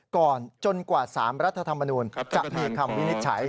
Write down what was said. จนกว่า๓รัฐธรรมนูลจะมีคำวินิจฉัย